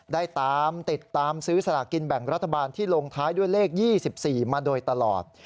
ได้ตามติดตามซื้อสลากินแบ่งรัฐบาลที่ลงท้ายด้วยเลข๒๔มาโดยตลอด